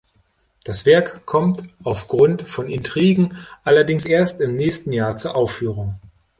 Das Werk kommt auf Grund von Intrigen allerdings erst im nächsten Jahr zur Aufführung.